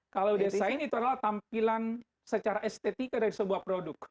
kalau desain itu adalah tampilan secara estetika dari sebuah produk